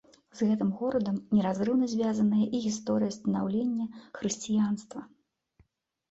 З гэтым горадам неразрыўна звязаная і гісторыя станаўлення хрысціянства.